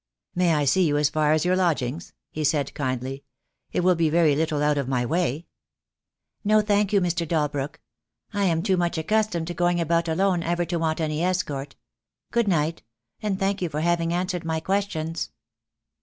"May I see you as far as your lodgings?" he said, kindly. "It will be very little out of my way." "No thank you, Mr. Dalbrook. I am too*much ac customed to going about alone ever to want any escort. Good night, and thank you for having answered my ques tions."